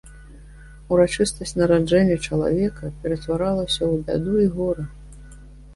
Урачыстасць нараджэння чалавека ператваралася ў бяду і гора.